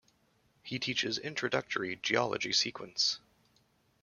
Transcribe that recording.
He teaches introductory geology sequence.